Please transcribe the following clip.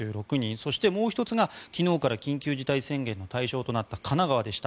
そしてもう１つが昨日から緊急事態宣言の対象となった神奈川でした。